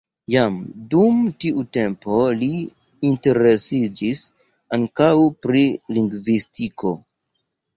Jam dum tiu tempo li interesiĝis ankaŭ pri lingvistiko.